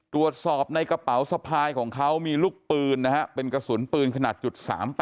ตรวจสอบในกระเป๋าสะพายของเขามีลูกปืนนะฮะเป็นกระสุนปืนขนาด๓๘